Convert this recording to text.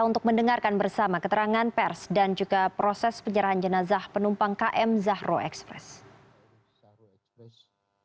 untuk mendengarkan bersama keterangan pers dan juga proses penyerahan jenazah penumpang km zahro express